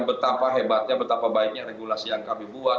betapa hebatnya betapa baiknya regulasi yang kami buat